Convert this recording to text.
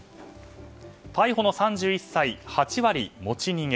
逮捕の３１歳、８割持ち逃げ。